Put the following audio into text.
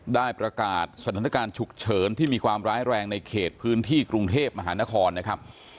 ได้ประกาศสถานการณ์ฉุกเฉินที่มีความร้ายแรงในเขตพื้นที่กรุงเทพมหานครนะครับ